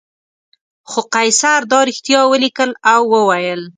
خو قیصر دا رښتیا ولیکل او وویل.